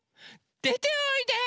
でておいで！